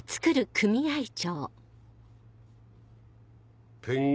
組合長！